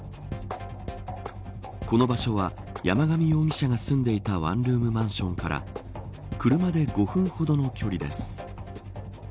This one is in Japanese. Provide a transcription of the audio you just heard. この場所は、山上容疑者が住んでいたワンルームマンションから車で５分ほどの距離です。